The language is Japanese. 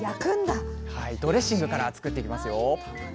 ドレッシングから作っていきますよ